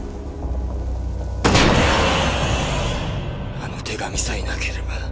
あの手紙さえなければ。